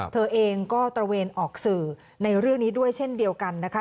เธอเองก็ตระเวนออกสื่อในเรื่องนี้ด้วยเช่นเดียวกันนะคะ